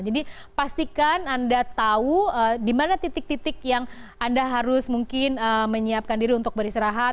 jadi pastikan anda tahu di mana titik titik yang anda harus mungkin menyiapkan diri untuk beristirahat